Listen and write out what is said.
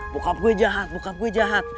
bokap gue jahat bokap gue jahat